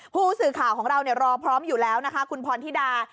ผู้สื่อข่าวของเรารอพร้อมอยู่แล้วนะคะคุณพรธิดา